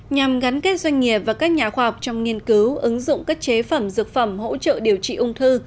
nhằm gắn kết doanh nghiệp và các nhà khoa học trong nghiên cứu ứng dụng các chế phẩm dược phẩm hỗ trợ điều trị ung thư